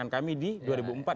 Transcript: yang paling berpengaruh